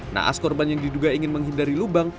naas korban yang diduga ingin menghindari lubang